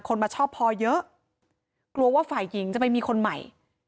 มาชอบพอเยอะกลัวว่าฝ่ายหญิงจะไปมีคนใหม่